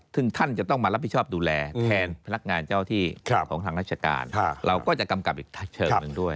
ซึ่งท่านจะต้องมารับผิดชอบดูแลแทนพนักงานเจ้าที่ของทางราชการเราก็จะกำกับอีกเชิงหนึ่งด้วย